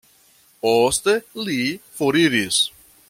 Poste li foriris.